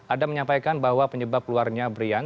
adam menyampaikan bahwa penyebab keluarnya brian